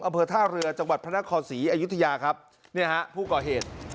อำเภอท่าเรือจังหวัดพระนครศรีอยุธยาครับเนี่ยฮะผู้ก่อเหตุ